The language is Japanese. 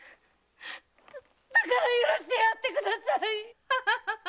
だから許してやってください‼